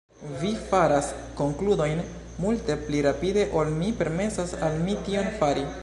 Vi faras konkludojn multe pli rapide ol mi permesas al mi tion fari.